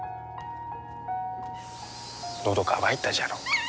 のど渇いたじゃろ。